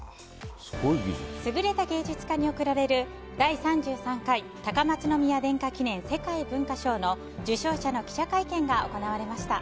優れた芸術家に贈られる第３３回高松宮殿下記念世界文化賞の受賞者の記者会見が行われました。